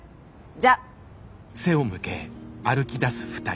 じゃあ。